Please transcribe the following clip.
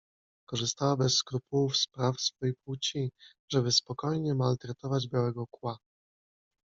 Korzystała bez skrupułów z praw swojej płci, żeby spokojnie maltretować Białego Kła.